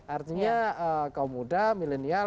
artinya kaum muda milenial